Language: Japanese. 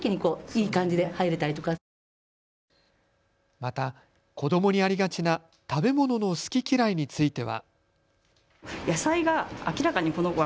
また子どもにありがちな食べ物の好き嫌いについては。